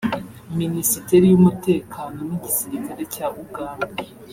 Minisiteri y’Umutekano n’Igisirikare cya Uganda